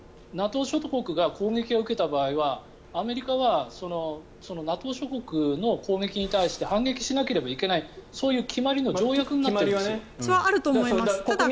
ＮＡＴＯ諸国が攻撃を受けた場合はアメリカはＮＡＴＯ諸国の攻撃に対して反撃しなければいけないそういう決まりの条約になっているんですよ。